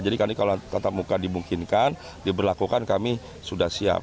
jadi kalau tatap muka dimungkinkan diberlakukan kami sudah siap